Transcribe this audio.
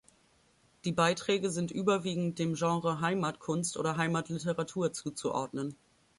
Die Beiträge sind überwiegend dem Genre Heimatkunst oder Heimatliteratur zuzuordnen.